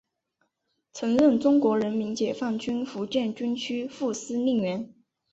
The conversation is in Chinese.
曾任中国人民解放军福建军区副司令员。